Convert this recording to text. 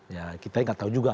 ya kita yang gak tahu juga